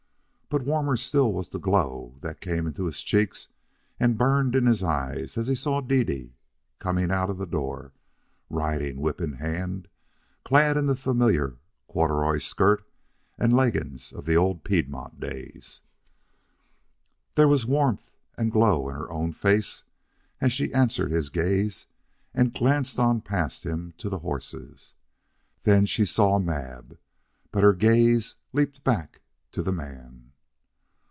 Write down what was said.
But warmer still was the glow that came into his cheeks and burned in his eyes as he saw Dede coming out the door, riding whip in hand, clad in the familiar corduroy skirt and leggings of the old Piedmont days. There was warmth and glow in her own face as she answered his gaze and glanced on past him to the horses. Then she saw Mab. But her gaze leaped back to the man.